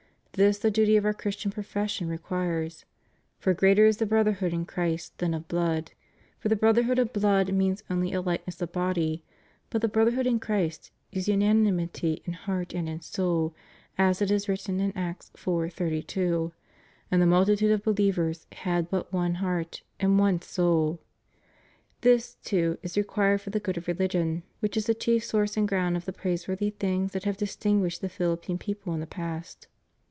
This the duty of our Christian profession requires: "For greater is the brotherhood in Christ, than of blood: for the brother hood of blood means only a likeness of body, but brother hood in Christ is unanimity in heart and in soul, as it is written in Acts iv. 32, ' and the multitude of behevers had but one heart and one soul.'" This, too, is required for the good of religion, which is the chief source and ground of the praiseworthy things which have distinguished the Philippine peoples in the past.